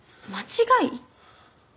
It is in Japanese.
間違い？